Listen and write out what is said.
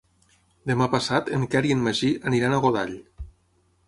Demà passat en Quer i en Magí aniran a Godall.